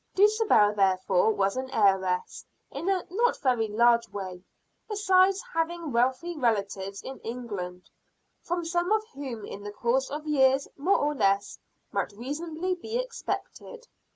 Dulcibel therefore was an heiress, in a not very large way, besides having wealthy relatives in England, from some of whom in the course of years more or less might reasonably be expected.